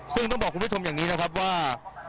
ซึ่งต้องบอกคุณผู้ชมอย่างนี้นะครับว่า